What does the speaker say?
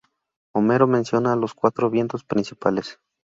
Homero menciona a los cuatro vientos principales.